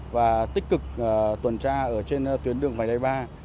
và tích cực tuần tra ở trên tuyến đường vài đầy ba